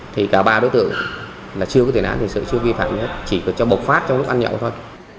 thì cả ba đối tượng là chưa có thể nạn chưa vi phạm chỉ có bột phát trong lúc ăn nhậu thôi